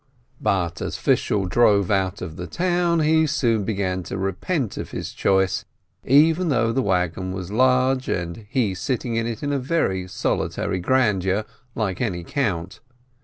But as Fishel drove out of the town, he soon began to repent of his choice, even though the wagon wag large, and he sitting in it in solitary grandeur, like any count.